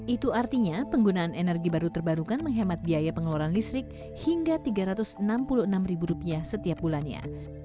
itu artinya penggunaan energi baru terbarukan menghemat biaya pengeluaran listrik hingga rp tiga ratus enam puluh enam setiap bulannya